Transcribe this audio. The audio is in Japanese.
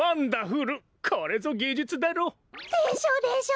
でしょでしょ！